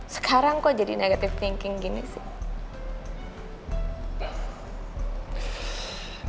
sekarang kok jadi negatif thinking gini sih